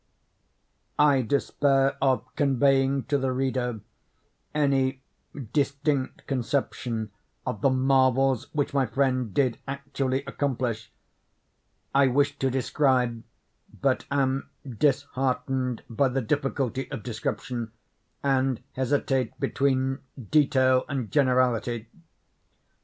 I despair of conveying to the reader any distinct conception of the marvels which my friend did actually accomplish. I wish to describe, but am disheartened by the difficulty of description, and hesitate between detail and generality.